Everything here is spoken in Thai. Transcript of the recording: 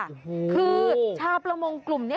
คือชาวประมงกลุ่มเนี้ย